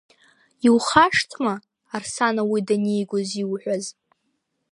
Иухашҭма, Арсана уи данигоз иауҳәаз?